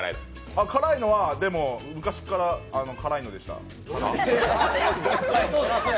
辛いのは昔から辛いのでした。